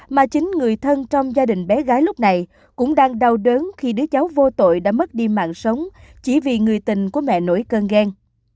mà chính người thân trong gia đình bé gái lúc này cũng đang đau đớn khi đứa cháu vô tội đã mất đi mạng sống chỉ vì người tình của mẹ nổi cơn ghen